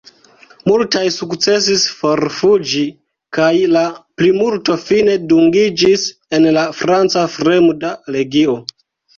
Multaj sukcesis forfuĝi kaj la plimulto fine dungiĝis en la franca fremda legio.